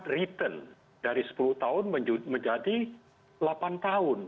karena mempercepat return dari sepuluh tahun menjadi delapan tahun